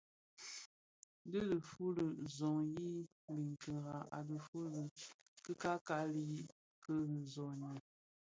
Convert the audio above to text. Dhifuli zoň i biňkira a dhituli, fikali fi soňi,